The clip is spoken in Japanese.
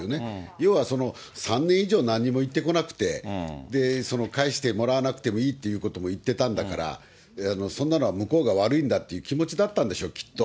要は３年以上なんにも言ってこなくって、その返してもらわなくてもいいってことも言ってたんだから、そんなのは向こうが悪いっていう気持ちだったんでしょう、きっと。